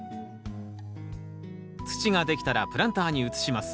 土が出来たらプランターに移します。